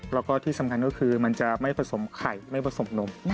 แล้วก็ที่สำคัญก็คือมันจะไม่ผสมไข่ไม่ผสมนม